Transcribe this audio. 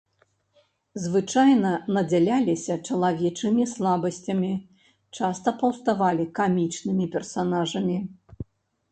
Звычайна надзяляліся чалавечымі слабасцямі, часта паўставалі камічнымі персанажамі.